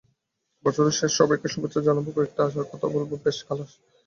বছরের শেষে সবাইকে শুভেচ্ছা জানাব, কয়েকটা আশার কথা বলব, ব্যস খালাস।